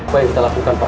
apa yang kita lakukan pak